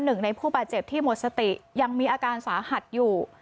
หนึ่งในผู้บาดเจ็บที่หมดสติยังมีอาการสาหัสอยู่